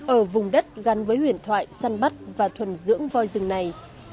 ở vùng đất gắn với huyền thoại săn bắt và thuần dưỡng voi rừng này